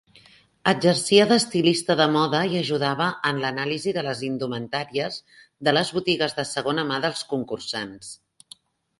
Exercia d'estilista de moda i ajudava en l'anàlisi de les indumentàries de les botigues de segona mà dels concursants.